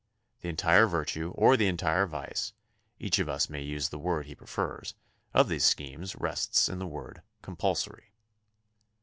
The entire virtue or the entire vice — each of us may use the word he pre fers — of these schemes rests in the word "compul sory."